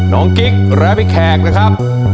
กิ๊กและพี่แขกนะครับ